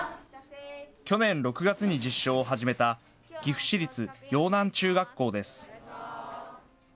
去年６月に実証を始めた、岐阜市立陽南中学校です。